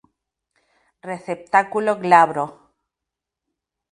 Receptáculo glabro.